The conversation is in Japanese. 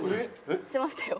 しましたよ。